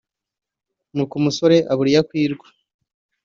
Nuko umusore abura iyo akwirwa